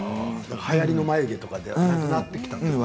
はやりの眉毛とかではなくなってきたんですね。